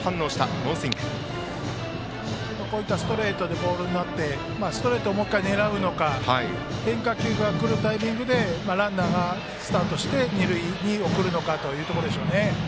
こういったストレートがボールになってストレートをもう１回狙うか変化球が来るタイミングでランナーがスタートして二塁へ送るのかというところでしょうね。